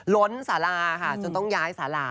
ล้นสาราค่ะจนต้องย้ายสารา